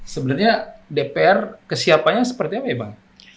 sebenarnya dpr kesiapannya seperti apa ya bang